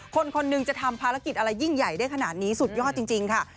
คนคนหนึ่งจะทำภารกิจอะไรยิ่งใหญ่ได้ขนาดนี้สุดยอดจริงค่ะ